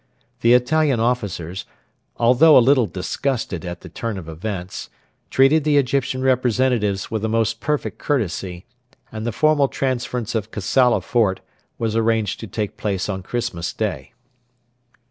The Italian officers, although a little disgusted at the turn of events, treated the Egyptian representatives with the most perfect courtesy, and the formal transference of Kassala fort was arranged to take place on Christmas Day.